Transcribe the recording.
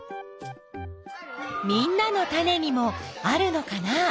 みんなのタネにもあるのかな？